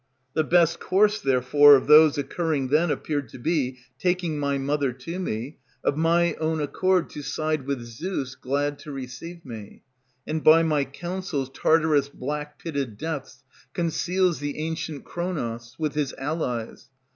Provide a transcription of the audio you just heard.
The best course, therefore, of those occurring then Appeared to be, taking my mother to me, Of my own accord to side with Zeus glad to receive me; And by my counsels Tartarus' black pitted Depths conceals the ancient Kronos, With his allies.